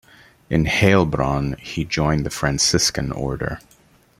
In Heilbronn he joined the Franciscan Order.